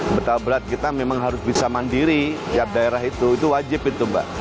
betal berat kita memang harus bisa mandiri tiap daerah itu itu wajib itu mbak